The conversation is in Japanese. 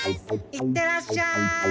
行ってらっしゃい！